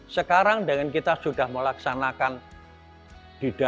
sekarang dengan kita sudah melaksanakan didaerah